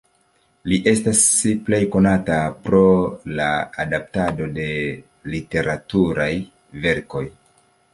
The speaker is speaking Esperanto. Li estas plej konata pro la adaptado de literaturaj verkoj.